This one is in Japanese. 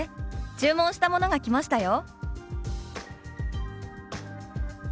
注文したものが来ましたよ」。